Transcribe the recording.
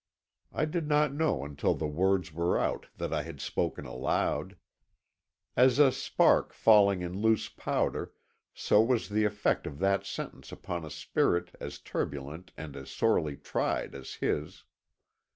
I did not know until the words were out that I had spoken aloud. As a spark falling in loose powder, so was the effect of that sentence upon a spirit as turbulent and as sorely tried as his.